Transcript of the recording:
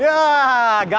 satu dua tiga